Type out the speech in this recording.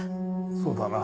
そうだな。